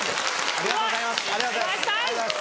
ありがとうございます。